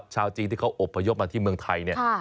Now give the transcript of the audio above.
ชาวจริงที่เขาอบพยพมาที่เมืองไทย